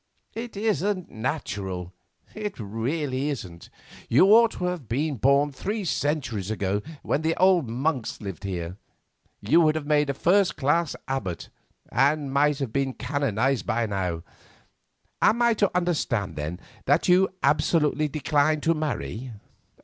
It isn't natural; it really isn't. You ought to have been born three centuries ago, when the old monks lived here. You would have made a first class abbot, and might have been canonised by now. Am I to understand, then, that you absolutely decline to marry?"